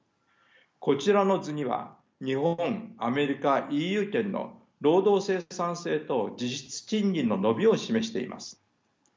こちらの図には日本アメリカＥＵ圏の労働生産性と実質賃金の伸びを示しています。